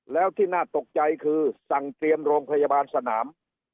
แล้วที่น่าตกใจคือสั่งเตรียมโรงพยาบาลสนาม